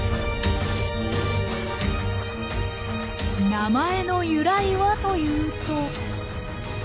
名前の由来はというと。